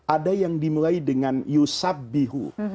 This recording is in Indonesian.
ada yang dimulai dengan yusabihu